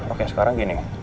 oke sekarang gini